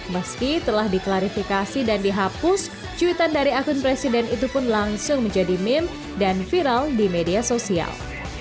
meski telah diklarifikasi dan dihapus cuitan dari akun presiden itu pun langsung menjadi meme dan viral di media sosial